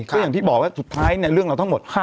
ก็อย่างที่บอกว่าสุดท้ายในเรื่องเราทั้งหมด